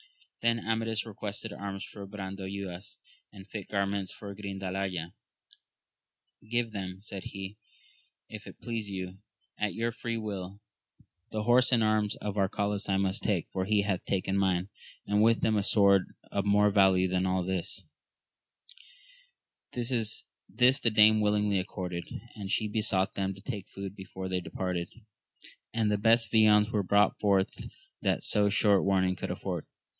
Then Amadis requested arms for Brandoyuas, and fit garments for Grindalaya ; Give them, said he, if it please you, at your free will : the horse and arms of Arcalaus I must take, for he hath taken mine, and with them a sword of more value than all this ! This the dame willingly accorded, and she besought them to take food before they departed, and the best viands were brought forth that so short warning could afford.